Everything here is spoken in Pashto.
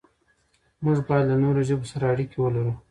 موږ بايد له نورو ژبو سره اړيکې ولرو.